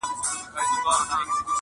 تر کارګه یې په سل ځله حال بتر دی!.